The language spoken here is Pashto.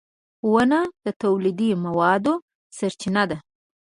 • ونه د تولیدي موادو سرچینه ده.